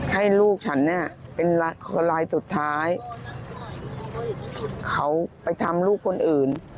ให้ลูกฉันเนี่ยเป็นคนรายสุดท้ายเขาไปทำลูกคนอื่น